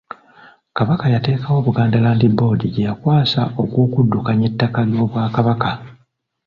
Kabaka yateekawo Buganda Land Board gye yakwasa ogw'okuddukanya ettaka ly’Obwakabaka.